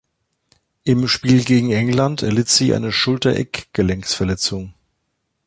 Im Spiel gegen England erlitt sie eine Schulter-Eckgelenksverletzung.